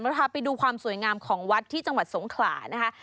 พาไปดูความสวยงามของวัดที่จังหวัดสงขลานะคะ